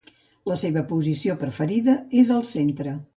La seva posició preferida és al centre.